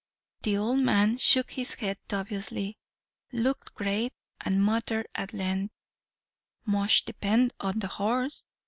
The old man shook his head dubiously, looked grave, and muttered at length, 'Mosch depend on de horse.'